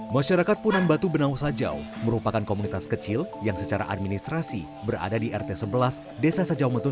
masyarakat punan batu benau sajau merupakan komunitas kecil yang secara administrasi berada di rt sebelas desa sajau metun